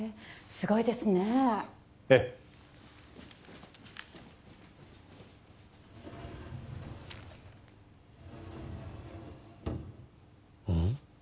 すごいですねええうん？